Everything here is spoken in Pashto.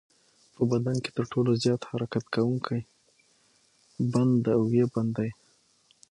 په بدن کې تر ټولو زیات حرکت کوونکی بند د اوږې بند دی.